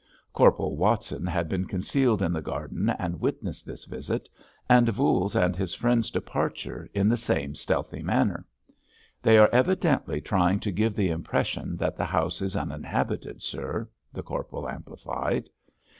Corporal Watson had been concealed in the garden and witnessed this visit, and Voules's and his friends' departure in the same stealthy manner. "They are evidently trying to give the impression that the house is uninhabited, sir," the corporal amplified.